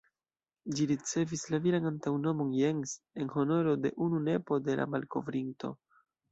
Ĝi ricevis la viran antaŭnomon ""Jens"" en honoro de unu nepo de la malkovrinto.